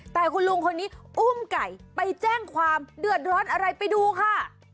แต่คุณลุงคนนี้อุ้มไก่ไปแจ้งความเดือดร้อนอะไรไปดูค่ะ